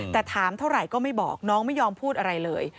แต่ถามเท่าไหร่ก็ไม่บอกน้องไม่ยอมพูดอะไรเลย